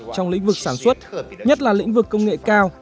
trong lĩnh vực sản xuất nhất là lĩnh vực công nghệ cao